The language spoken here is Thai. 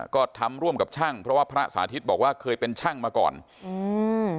ก็ทำร่วมกับช่างเพราะว่าพระสาธิตบอกว่าเคยเป็นช่างมาก่อนอืม